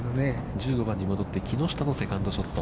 １８番に戻って木下のセカンドショット。